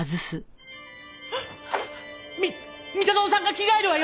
み三田園さんが着替えるわよ。